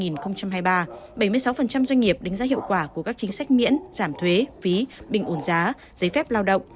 bảy mươi sáu doanh nghiệp đánh giá hiệu quả của các chính sách miễn giảm thuế phí bình ổn giá giấy phép lao động